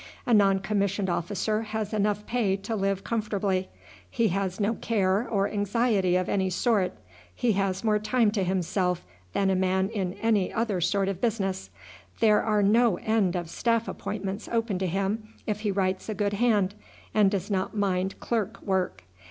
A non commissioned officer has enough pay to live comfortably; he has no care or anxiety of any sort; he has more time to himself than a man in any other sort of business. There are no end of staff appointments open to him if he writes a good hand, and does not mind clerk work.